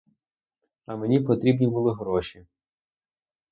А мені потрібні були гроші.